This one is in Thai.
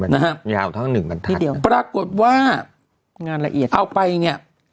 ครับ๑บันทักยาวทั้ง๑บันทักปรากฏว่างานละเอียดเอาไปเนี่ย